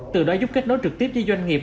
từ đó giúp kết nối trực tiếp với doanh nghiệp